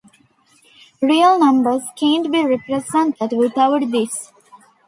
Real numbers can't be represented without this.